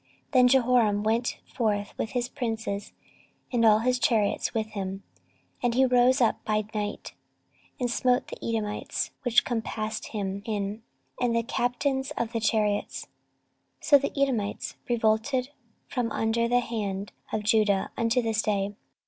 14:021:009 Then Jehoram went forth with his princes, and all his chariots with him: and he rose up by night, and smote the Edomites which compassed him in, and the captains of the chariots. 14:021:010 So the Edomites revolted from under the hand of Judah unto this day.